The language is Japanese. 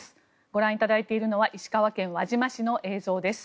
ご覧いただいているのは石川県輪島市の映像です。